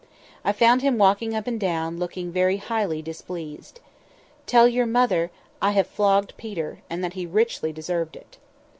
I found him walking up and down, looking very highly displeased. "'Tell your mother I have flogged Peter, and that he richly deserved it.